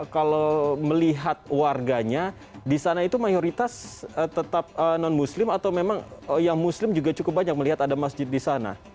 kalau melihat warganya di sana itu mayoritas tetap non muslim atau memang yang muslim juga cukup banyak melihat ada masjid di sana